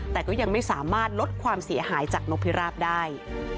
แต่ก็ยังไม่สามารถลดความเสียหายจากนกพิราบได้